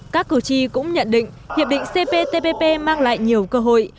các cử tri cũng nhận định hiệp định cptpp mang lại nhiều cơ hội